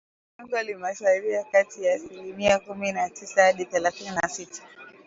Pengo limesalia kati ya asilimia kumi na tisa hadi thelathini na sita